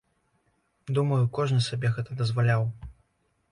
Думаю, кожны сабе гэта дазваляў.